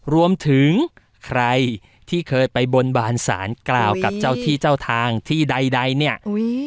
รวมถึงใครที่เคยไปบนบานสารกล่าวกับเจ้าที่เจ้าทางที่ใดเนี่ย